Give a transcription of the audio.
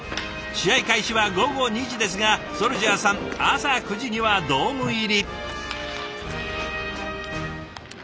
試合開始は午後２時ですがＳＯＵＬＪＡＨさん朝９時にはドーム入り。